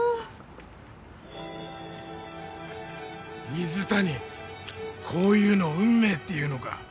水谷こいうのを運命っていうのか。